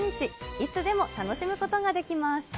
いつでも楽しむことができます。